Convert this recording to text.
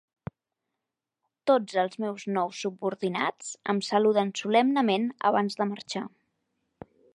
Tots els meus nous subordinats em saluden solemnement abans de marxar.